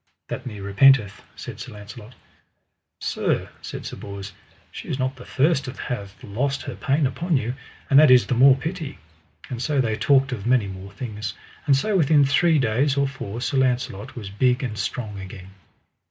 That me repenteth, said Sir Launcelot. Sir, said Sir Bors, she is not the first that hath lost her pain upon you, and that is the more pity: and so they talked of many more things. And so within three days or four Sir Launcelot was big and strong again.